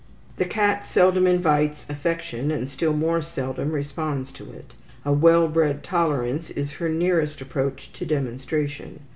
The cat seldom invites affection, and still more seldom responds to it. A well bred tolerance is her nearest approach to demonstration.